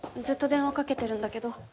ずっと電話かけてるんだけど。